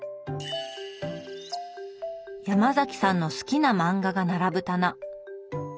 ヤマザキさんの好きな漫画が並ぶ棚。